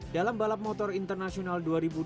dalam balap motor internasional dua ribu dua puluh